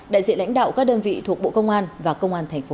đại diện lãnh đạo các đơn vị thuộc bộ công an và công an tp hà nội